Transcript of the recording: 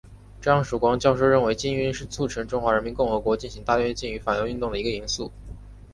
张曙光教授认为禁运是促成中华人民共和国进行大跃进与反右运动的一个因素。